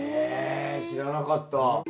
知らなかった。